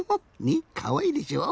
ねっかわいいでしょ？